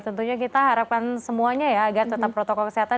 tentunya kita harapkan semuanya ya agar tetap protokol kesehatan